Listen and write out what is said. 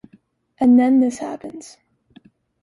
And then this happens.